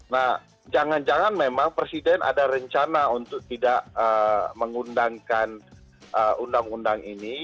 nah jangan jangan memang presiden ada rencana untuk tidak mengundangkan undang undang ini